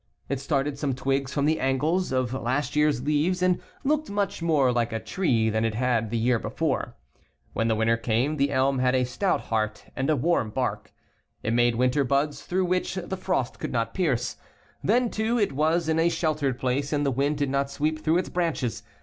It started some' twigs from the angles of last year's leaves and looked much more like a tree than it had the year before. When winter came the elm had a stout heart and a warm bark. It made winter buds through which the 19 frost could not pierce. Then, too, it was in a sheltered place and the wind did not sweep through its branches.